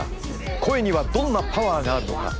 声にはどんなパワーがあるのか？